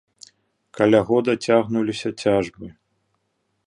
Каля года цягнуліся цяжбы.